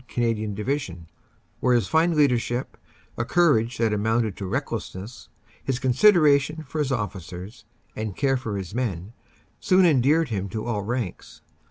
Canadian Division, where his fine leadership, a courage that amounted to recklessness, his con sideration for his officers and care for his men, soon endeared him to all ranks.